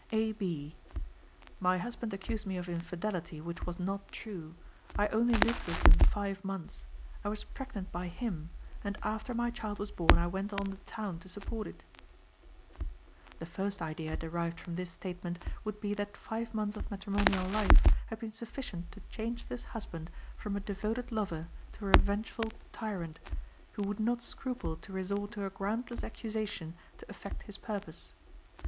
A. B.: "My husband accused me of infidelity, which was not true. I only lived with him five months. I was pregnant by him, and after my child was born I went on the town to support it." The first idea derived from this statement would be that five months of matrimonial life had been sufficient to change this husband from a devoted lover to a revengeful tyrant, who would not scruple to resort to a groundless accusation to effect his purpose.